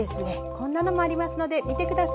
こんなのもありますので見てください。